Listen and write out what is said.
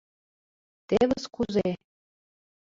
— Тевыс кузе...